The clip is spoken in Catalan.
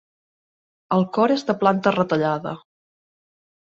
El cor és de planta retallada.